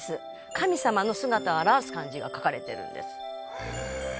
「神様の姿を表す漢字が書かれてるんです」